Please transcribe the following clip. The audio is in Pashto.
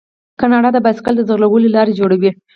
کاناډا د بایسکل ځغلولو لارې جوړوي.